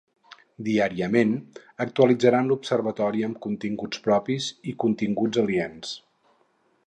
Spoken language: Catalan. Diàriament, actualitzaran l'Observatori amb continguts propis i continguts aliens.